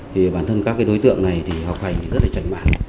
thì bản thân các đối tượng này thì học hành rất là tránh bản